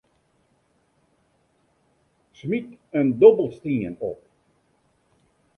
Smyt in dobbelstien op.